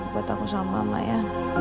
buat aku sama mak ya